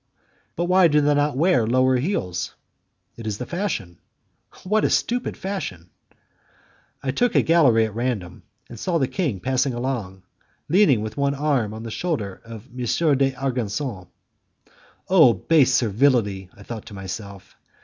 "But why do they not wear lower heels?" "It is the fashion." "What a stupid fashion!" I took a gallery at random, and saw the king passing along, leaning with one arm on the shoulder of M. d'Argenson. "Oh, base servility!" I thought to myself.